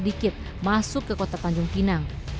sedikit masuk ke kota tanjung pinang